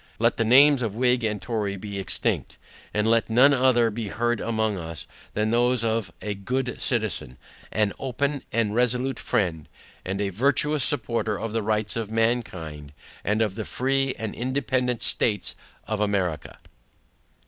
Let the names of Whig and Tory be extinct; and let none other be heard among us, than those of A GOOD CITIZEN, AN OPEN AND RESOLUTE FRIEND, AND A VIRTUOUS SUPPORTER OF THE RIGHTS OF MANKIND AND OF THE FREE AND INDEPENDANT STATES OF AMERICA.